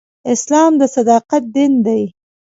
اسلام د صداقت دین دی.